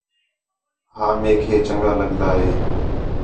ہاں میک ہے چنڳا لڳدا ہے